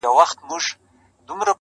په دې سپي کي کمالونه معلومېږي.